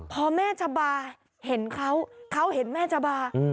พอแม่ชะบาเห็นเขาเขาเห็นแม่จะบา